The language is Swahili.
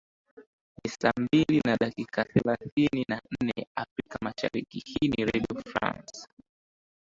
ni saa mbili na dakika thelathini na nne afrika mashariki hii ni redio france